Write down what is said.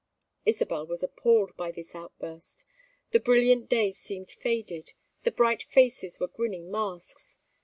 Isabel was appalled by this outburst. The brilliant day seemed faded, the bright faces were grinning masks.